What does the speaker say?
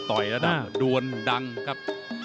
ต่อยระดับดวนดังครับ